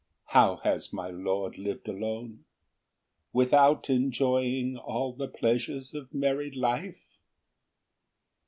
How has my Lord lived alone, Without enjoying all the pleasures of married life?"